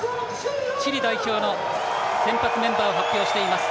チリ代表の先発メンバーを発表しています。